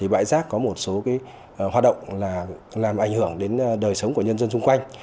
bãi rác có một số hoạt động làm ảnh hưởng đến đời sống của nhân dân xung quanh